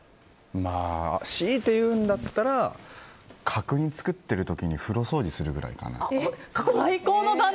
しいて言うんだったら角煮作ってる時に風呂掃除するくらいかな。